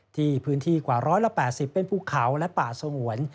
ที่พื้นที่กว่า๑๘๐เป็นภูเขาและป่าสงวน